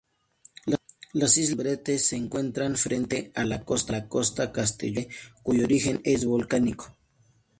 Las Islas Columbretes se encuentran frente a la costa castellonense, cuyo origen es volcánico.